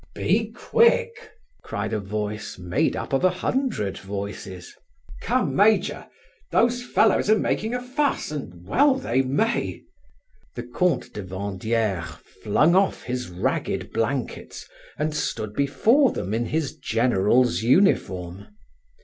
"Be quick!" cried a voice, made up of a hundred voices. "Come, major! Those fellows are making a fuss, and well they may." The Comte de Vandieres flung off his ragged blankets, and stood before them in his general's uniform.